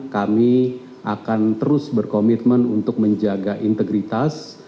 kami akan terus berkomitmen untuk menjaga integritas